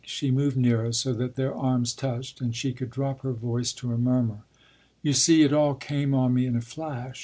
She moved nearer, so that their arms touched, and she could drop her voice to a murmur. “You see, it all came on me in a flash.